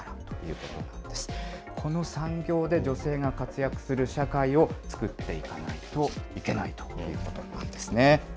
この産業で女性が活躍する社会を作っていかないといけないということなんですね。